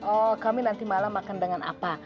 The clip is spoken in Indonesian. oh kami nanti malam akan dengan apa